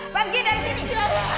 pergi dari sini